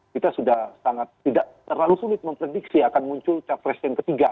kita sudah sangat tidak terlalu sulit memprediksi akan muncul capres yang ketiga